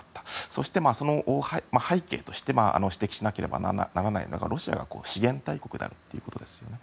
そして、その背景として指摘しなければならないのがロシアが資源大国であることですね。